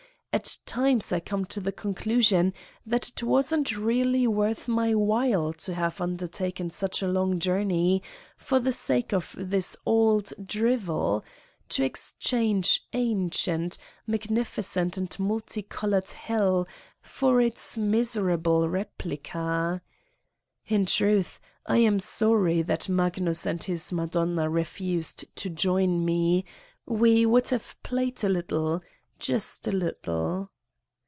At times I come to the x conclusion that it wasn't really worth my while / to have undertaken such a long journey for the sake of this old drivel to exchange ancient, mag / nificent and multi colored Hell for its miserable]/ replica. }>fn truth, I am sorry that Magnus and>J his Madonna refused to join me we would have played a little just a little